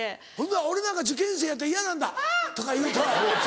俺なんか受験生やったら嫌なんだハァ！とか言うたら。